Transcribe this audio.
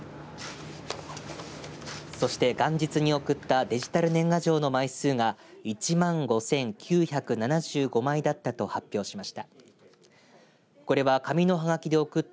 そして元日に送ったデジタル年賀状の枚数が１万５９７５枚だったと発表しました。